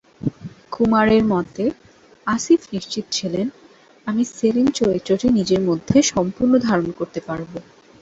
কুমারের মতে, "আসিফ নিশ্চিত ছিলেন আমি সেলিম চরিত্রটি নিজের মধ্যে সম্পূর্ণ ধারণ করতে পারব।"